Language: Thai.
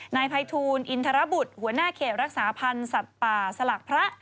นายภัยทูลอินทรบุตรหัวหน้าเขตรักษาพันธ์สัตว์ป่าสลักพระ